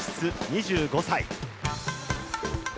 ２５歳。